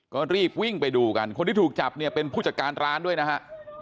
ก็รีบวิ่งไปดูกันคนที่ถูกจับเนี่ยเป็นผู้จัดการร้านด้วยนะฮะ